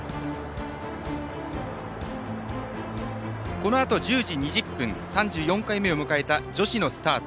このあと１０時２０分３４回目を迎えた女子のスタート。